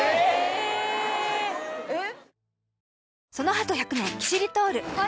えっ！？